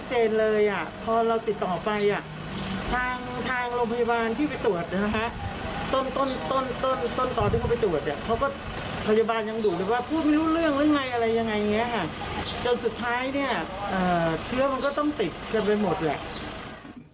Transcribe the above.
จนสุดท้ายเชื้อมันก็ต้องติดกันไปหมดเลย